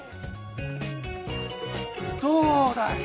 どうだい！